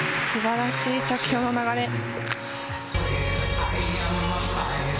すばらしい着氷の流れ。